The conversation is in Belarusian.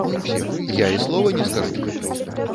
Я і слова не скажу.